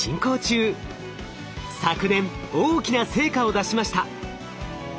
昨年大きな成果を出しました。